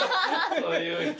そういう人。